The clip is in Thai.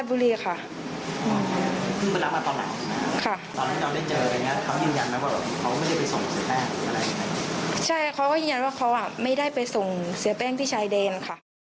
ใช่เขาก็ยืนยันว่าเขาไม่ได้ไปส่งเสียแป้งที่ชายแดนค่ะ